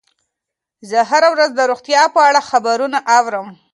زه هره ورځ د روغتیا په اړه خبرونه اورم.